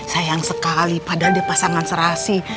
sayang sekali padahal dia pasangan serasi